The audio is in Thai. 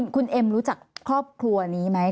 คุณเอ็มรู้จักครอบครัวนี้ไหม